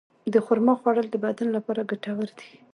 د خرما خوړل د بدن لپاره ګټور دي.